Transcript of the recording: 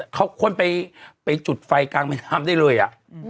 เขาค้นไปจุดไฟกลางแม่น้ำได้เลยอ่ะ